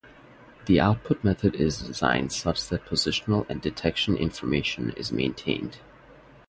The output method is designed such that positional and detection information is maintained.